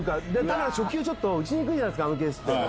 初球打ちにくいじゃないですかあのケースって。